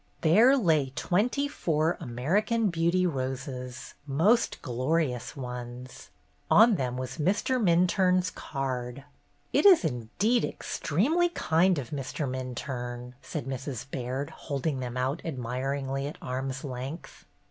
There lay twenty four American Beauty roses, most glorious ones. On them was Mr. Minturne's card. CHRISTMAS EVE 259 is indeed extremely kind of Mr. Min turne/' said Mrs. Baird, holding them out admiringly at arm's length.